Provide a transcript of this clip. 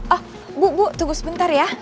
oh bu bu tunggu sebentar ya